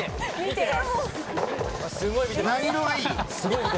何色がいい？